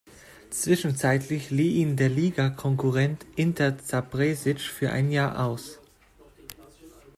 Zwischenzeitlich lieh ihn der Ligakonkurrent Inter Zaprešić für ein Jahr aus.